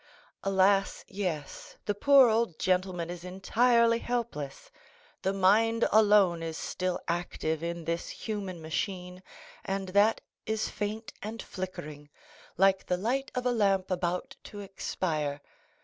"Alas, yes; the poor old gentleman is entirely helpless; the mind alone is still active in this human machine, and that is faint and flickering, like the light of a lamp about to expire.